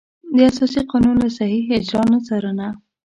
د اساسي قانون له صحیح اجرا نه څارنه.